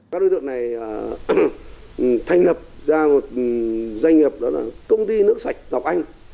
các đối tượng này thành lập ra một doanh nghiệp đó là công ty nước sạch ngọc anh